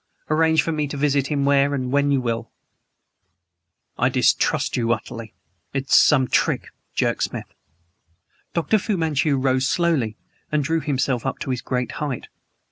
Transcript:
Arrange for me to visit him where and when you will " "I distrust you utterly. It is some trick," jerked Smith. Dr. Fu Manchu rose slowly and drew himself up to his great height.